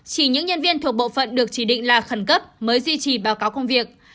chỉ những nhân viên thuộc bộ phận được chỉ định là khẩn cấp mới duy trì báo cáo công việc